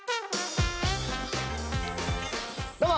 どうも！